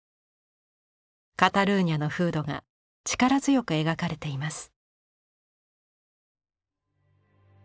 カタルーニャの風土が力強く描かれています。